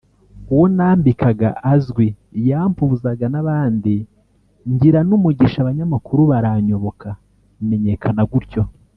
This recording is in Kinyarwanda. uwo nambikaga azwi yampuzaga n’abandi ngira n’umugisha abanyamakuru baranyoboka menyekana gutyo